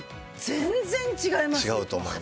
全然違いますね。